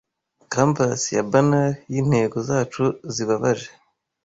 Canvas ya banal yintego zacu zibabaje